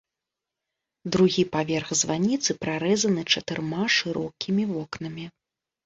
Другі паверх званіцы прарэзаны чатырма шырокімі вокнамі.